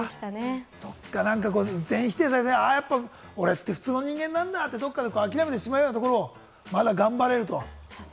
全否定されて、俺って普通の人間なんだって、どこかで諦めてしまうところを、まだ頑張れると。